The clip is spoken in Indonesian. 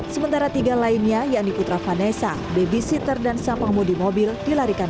sementara tiga lainnya yang di putra vanessa babysitter dan sampah mudi mobil dilarikan